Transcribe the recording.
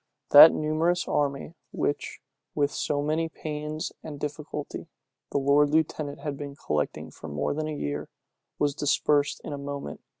That numerous army, which, with so much pains and difficulty, the lord lieutenant had been collecting for more than a year, was dispersed in a moment.